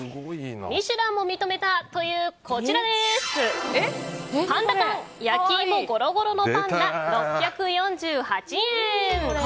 「ミシュラン」も認めた！というパンだ缶焼き芋ゴロゴロのパンだ、６４８円。